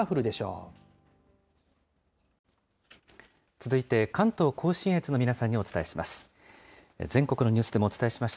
続いて関東甲信越の皆さんにお伝えします。